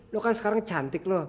lo kan sekarang cantik loh